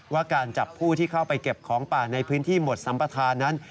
ว่าการจับผู้ที่เข้าไปเก็บของป่าในพื้นที่หมดสัมปทานนั้น